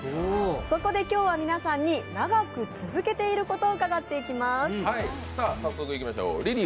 そこで今日は皆さんに長く続けていることを伺っていきます。